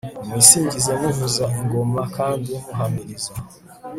nimuyisingize muvuza ingoma kandi muhamiriza,